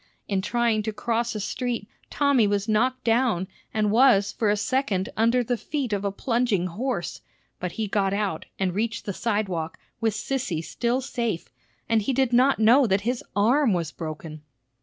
In trying to cross a street, Tommy was knocked down, and was for a second under the feet of a plunging horse. But he got out, and reached the sidewalk, with Sissy still safe, and he did not know that his arm was broken.